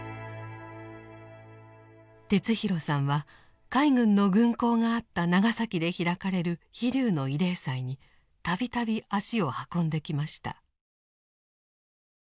哲弘さんは海軍の軍港があった長崎で開かれる「飛龍」の慰霊祭に度々足を運んできました。